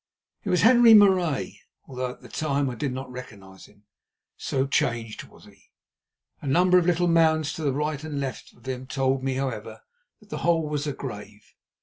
It was Henri Marais, although at the time I did not recognise him, so changed was he. A number of little mounds to the right and left of him told me, however, that the hole was a grave.